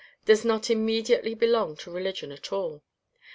does not immediately belong to religion at all.